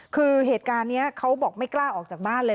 คือเหตุการณ์นี้เขาบอกไม่กล้าออกจากบ้านเลย